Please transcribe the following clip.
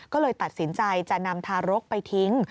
ก็เลยตัดสินใจจะนำทารกไปทิ้ง